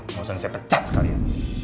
mau saya pecat sekali ya